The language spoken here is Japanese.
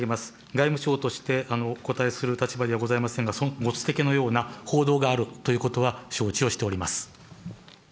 外務省としてお答えする立場ではございませんが、そのご指摘のような報道があるということは承知をしております。